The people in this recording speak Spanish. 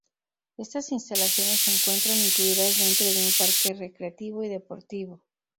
Estas instalaciones se encuentran incluidas dentro de un parque recreativo y deportivo.